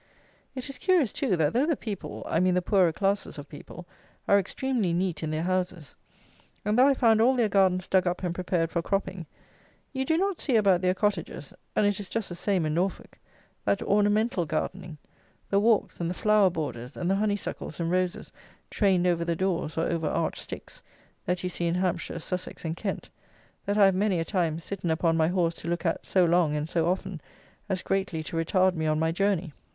It is curious, too, that though the people, I mean the poorer classes of people, are extremely neat in their houses, and though I found all their gardens dug up and prepared for cropping, you do not see about their cottages (and it is just the same in Norfolk) that ornamental gardening; the walks, and the flower borders, and the honey suckles, and roses, trained over the doors, or over arched sticks, that you see in Hampshire, Sussex, and Kent, that I have many a time sitten upon my horse to look at so long and so often, as greatly to retard me on my journey.